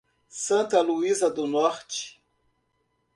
Santa Luzia do Norte